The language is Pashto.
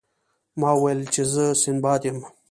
ما وویل چې زه سنباد یم.